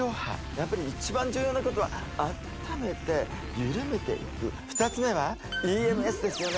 やっぱり一番重要なことは温めて緩めていく２つ目はＥＭＳですよね